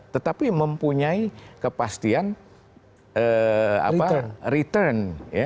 tetapi mempunyai kepastian return